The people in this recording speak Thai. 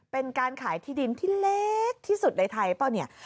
เป็นการขายที่ดินที่เล็กที่สุดในไทยเปล่าเนี่ย